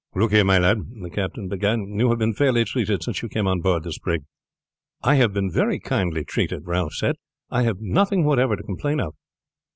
"Look here, my lad," the captain began, "you have been fairly treated since you came on board this brig." "I have been very kindly treated," Ralph said. "I have nothing whatever to complain of."